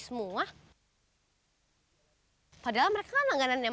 sebelum dia mulai menyel ka withdrawnya